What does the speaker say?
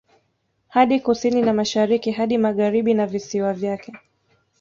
Hadi Kusini na Mashariki hadi Magharibi na visiwa vyake